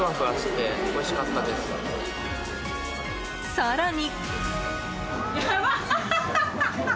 更に。